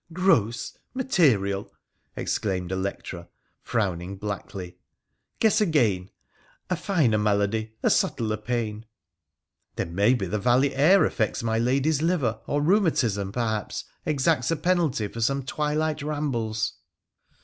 ' Gross ! Material !' exclaimed Electra, frowning blackly. ' Guess again — a finer malady — a subtler pain.' 'Then, maybe the valley air affects my lady's liver, or rheumatism, perhaps, exacts a penalty for some twilight rambles.'